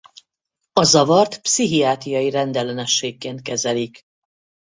A zavart pszichiátriai rendellenességként kezelik.